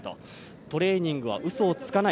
トレーニングはうそをつかない。